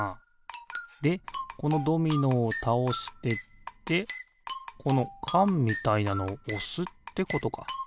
でこのドミノをたおしてってこのかんみたいなのをおすってことか。